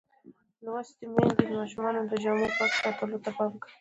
لوستې میندې د ماشومانو د جامو پاک ساتلو ته پام کوي.